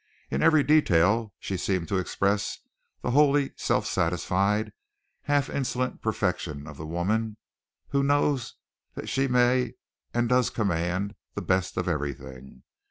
In every detail she seemed to express the wholly self satisfied, half insolent perfection of the woman who knows that she may and does command the best of everything.